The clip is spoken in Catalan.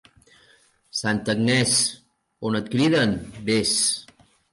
Santa Agnès, on et criden, ves.